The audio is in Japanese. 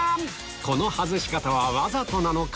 この外し方はわざとなのか？